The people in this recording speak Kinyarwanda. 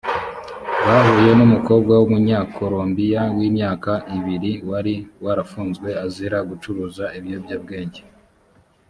bahuye n umukobwa w umunyakolombiya w imyaka ibiri wari warafunzwe azira gucuruza ibiyobyabwenge